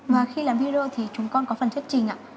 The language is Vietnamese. và khi làm video thì chúng con có phần thiết trình